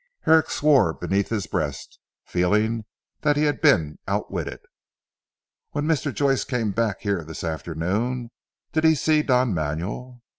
Herrick swore beneath his breath, feeling that he had been outwitted. "When Mr. Joyce came back here this afternoon did he see Don Manuel?"